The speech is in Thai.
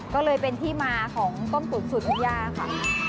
ก็เลยเป็นที่มาของต้มตุ๋นสูตรทุกย่าค่ะ